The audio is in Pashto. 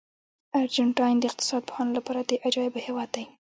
ارجنټاین د اقتصاد پوهانو لپاره د عجایبو هېواد دی.